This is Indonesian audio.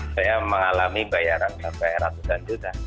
saya mengalami bayaran sampai ratusan juta